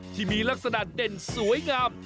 ที่มีลักษณะเด่นสวยงาม